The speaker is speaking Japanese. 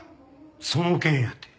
その件やて。